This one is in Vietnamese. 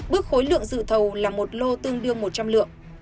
bước khối lượng dự thầu là một lô tương đương một trăm linh lượng